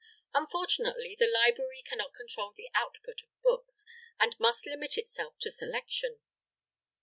Unfortunately the library cannot control the output of books, and must limit itself to selection.